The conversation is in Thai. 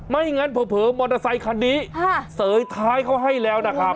ไม่งั้นเผลอมอเตอร์ไซคันนี้เสยท้ายเขาให้แล้วนะครับ